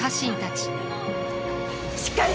しっかり！